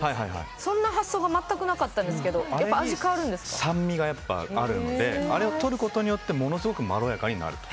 そんな発想が全くなかったんですけど酸味があるのであれを取ることによってものすごくまろやかになると。